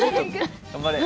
頑張れ。